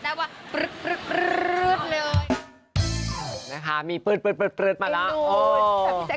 นะคะมีปืดมาแล้วเอ็ดดู